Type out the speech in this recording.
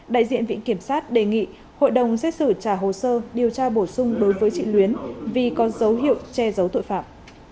đại diện viện kiểm sát đề nghị hội đồng xét xử trả hồ sơ điều tra bổ sung đối với chị luyến vì có dấu hiệu che giấu tội phạm